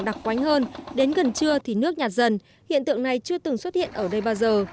đặc quánh hơn đến gần trưa thì nước nhạt dần hiện tượng này chưa từng xuất hiện ở đây bao giờ